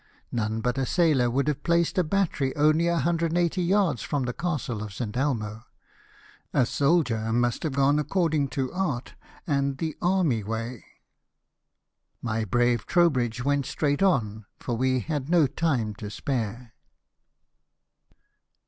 None but a sailor would have placed a battery only 180 yards from the Castle of St. Elmo, a soldier must have gone according to art, and the t/ww^. way. i\ly brave Trowbridge went straight on, for we had no time to spare."